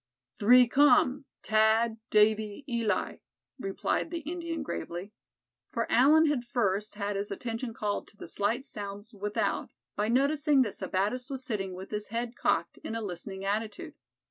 "Three come, Thad, Davy, Eli," replied the Indian, gravely; for Allan had first had his attention called to the slight sounds without by noticing that Sebattis was sitting with his head cocked in a listening attitude.